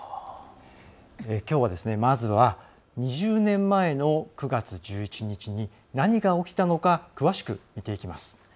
きょうは、まずは２０年前の９月１１日に何が起きたのか詳しく見ていきます。